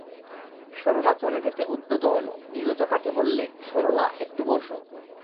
সরলা চলে যেতে উদ্যত হল, নীরজা তাকে বললে, সরলা একটু বোসো।